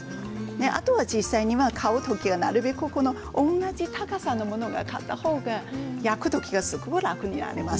あと実際に買うときはなるべく同じ高さのものを買ったほうが焼くときがすごく楽になります。